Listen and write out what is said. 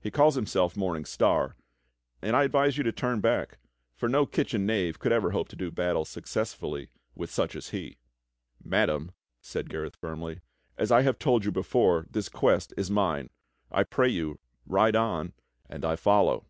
He calls himself Morning Star, and I advise you to turn back; for no kitchen knave could ever hope to do battle successfully with such as he." "Madam," said Gareth firmly, "as I have told you before, this quest is mine. I pray you, ride on and I follow."